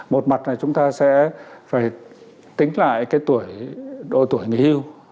một mặt là chúng ta sẽ phải tính lại cái tuổi độ tuổi người yêu